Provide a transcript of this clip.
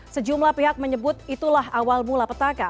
sejumlah pihak menyebut itulah awal mula petaka